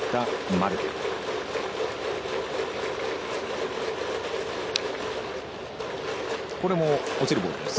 今のも落ちるボールです。